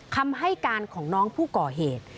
คำให้การของน้องผู้ก่อเหตุ